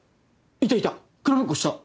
いたいた比べっこした。